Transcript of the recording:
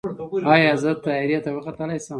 ایا زه طیارې ته وختلی شم؟